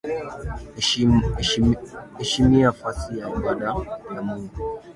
Heshimia fasi ya ibada ya Mungu